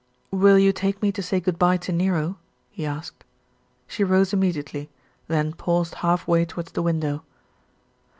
"Will you take me to say good bye to Nero?" he asked. She rose immediately, then paused half way towards the window.